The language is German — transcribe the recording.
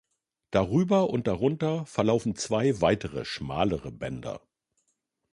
Darüber und darunter verlaufen zwei weitere schmalere Bänder.